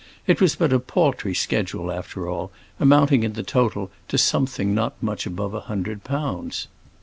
It was but a paltry schedule after all, amounting in the total to something not much above a hundred pounds.